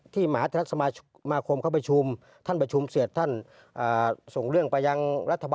พี่ออกมาวุฒรมนธรรมใช่ไหม